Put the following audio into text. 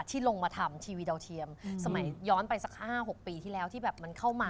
ที่ลงมาทำทีวีดาวเทียมสมัยย้อนไปสัก๕๖ปีที่แล้วที่แบบมันเข้ามา